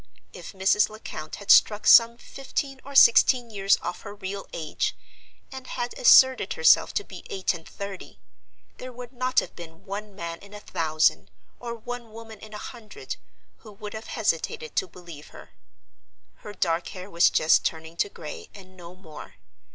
If Mrs. Lecount had struck some fifteen or sixteen years off her real age, and had asserted herself to be eight and thirty, there would not have been one man in a thousand, or one woman in a hundred, who would have hesitated to believe her. Her dark hair was just turning to gray, and no more.